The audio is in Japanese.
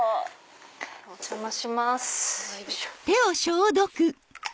お邪魔します。